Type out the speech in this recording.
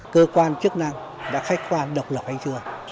cơ quan chức năng đã khách quan độc lập hay chưa